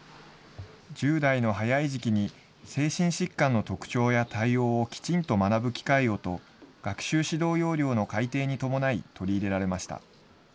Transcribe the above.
１０代の早い時期に、精神疾患の特徴や対応をきちんと学ぶ機会をと、学習指導要領の改訂に伴い取り入れられました。